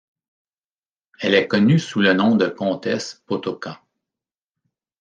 Elle est connue sous le nom de comtesse Potocka.